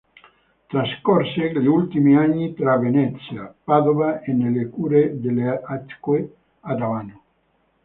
Trascorse gli ultimi anni tra Venezia, Padova e nelle cure delle acque ad Abano.